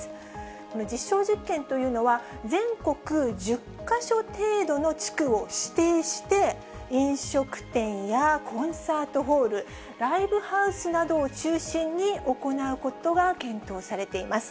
この実証実験というのは、全国１０か所程度の地区を指定して、飲食店やコンサートホール、ライブハウスなどを中心に行うことが検討されています。